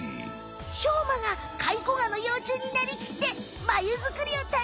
しょうまがカイコガの幼虫になりきってマユ作りをた